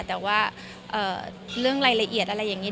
แต่ว่าเรื่องรายละเอียดอะไรอย่างนี้